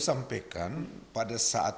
sampaikan pada saat